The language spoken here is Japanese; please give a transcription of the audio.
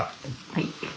はい。